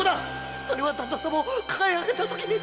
〔それは旦那様を抱え上げたときに〕